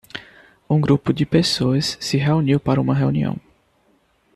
Um grupo de pessoas se reuniu para uma reunião.